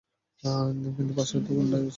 কিন্তু বাসায় তো গুন্ডা আছে।